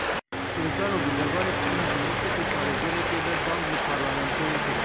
Kiliçdaroglu derbarê kuştina pizîşkek û parêzerekê de bang li parlamentoyê kir.